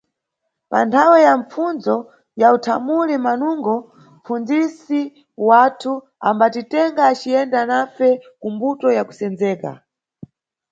Panthawe ya mapfundzo ya uthamuli manungo, mʼpfundzisi wathu ambatitenga aciyenda nafe kumbuto ya kusendzeka.